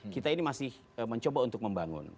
kita ini masih mencoba untuk membangun